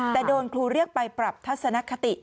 แต่โดนครูเรียกไปปรับทัศนคติ